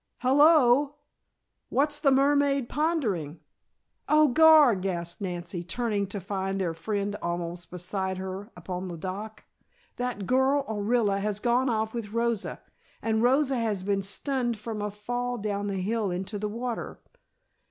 "Hello! What's the mermaid pondering " "Oh, Gar!" gasped Nancy, turning to find their friend almost beside her upon the dock. "That girl, Orilla, has gone off with Rosa. And Rosa had been stunned from a fall down the hill into the water."